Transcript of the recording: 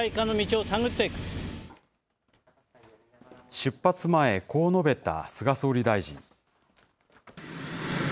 出発前、こう述べた菅総理大臣。